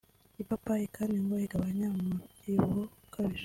ipapayi kandi ngo igabanya umubyibuho ukabije